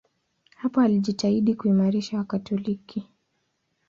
Hapo alijitahidi kuimarisha Wakatoliki.